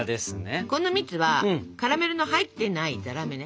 この蜜はカラメルの入ってないざらめね。